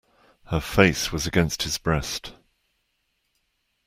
Her face was against his breast.